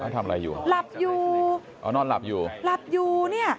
ทำอะไรอยู่อ๋อนอนหลับอยู่หลับอยู่